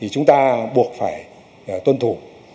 chúng ta buộc phải tuân thủ